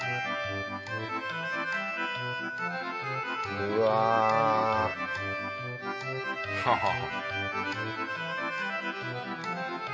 うわ。ハハハ。